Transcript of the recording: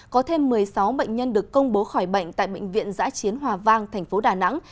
có thêm một mươi sáu bệnh nhân được công bố khỏi bệnh tại bệnh viện giã chiến hòa vang thành phố đà nẵng